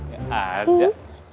eh gak ada